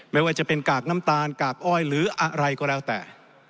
ไม่ว่าจะเป็นกากน้ำตาลกากอ้อยหรืออะไรก็แล้วแต่